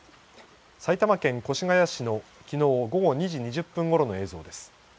埼玉県越谷市のきのう午後２時２０分ごろの映像です。